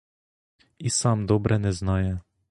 І сам добре не знає.